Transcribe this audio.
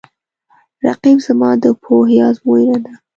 رقیب زما د پوهې آزموینه ده